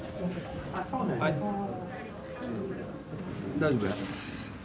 大丈夫です。